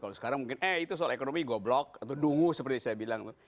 kalau sekarang mungkin eh itu soal ekonomi goblok atau dungu seperti saya bilang